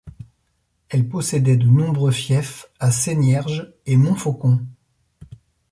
Elle possédait de nombreux fiefs à Sénierges et Montfaucon.